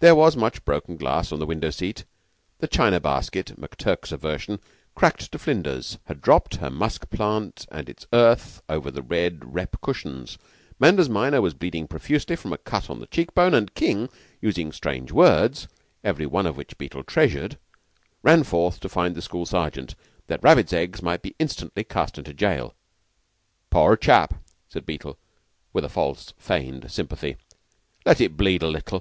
There was much broken glass on the window seat; the china basket McTurk's aversion cracked to flinders, had dropped her musk plant and its earth over the red rep cushions; Manders minor was bleeding profusely from a cut on the cheek bone; and King, using strange words, every one of which Beetle treasured, ran forth to find the school sergeant, that Rabbits Eggs might be instantly cast into jail. "Poor chap!" said Beetle, with a false, feigned sympathy. "Let it bleed a little.